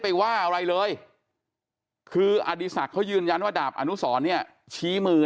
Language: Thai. ไปว่าอะไรเลยคืออดีศักดิ์เขายืนยันว่าดาบอนุสรเนี่ยชี้มือ